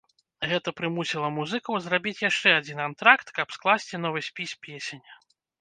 Гэта прымусіла музыкаў зрабіць яшчэ адзін антракт, каб скласці новы спіс песень.